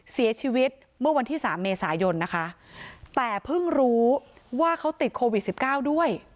เสียชีวิตเมื่อวันที่สามเมษายนนะคะแต่เพิ่งรู้ว่าเขาติดโควิดสิบเก้าด้วย